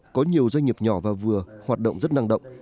có nhiều doanh nghiệp nhỏ và vừa hoạt động rất năng động